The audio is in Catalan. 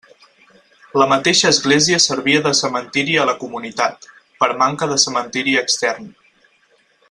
La mateixa església servia de cementiri a la comunitat, per manca de cementiri extern.